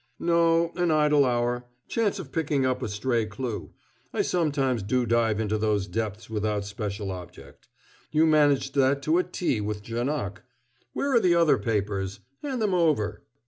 "No. An idle hour. Chance of picking up a stray clew. I sometimes do dive into those depths without special object. You managed that to a T with Janoc. Where are the other papers? Hand them over."